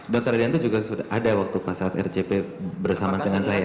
dokter adianto juga sudah ada waktu pas saat rcp bersama dengan saya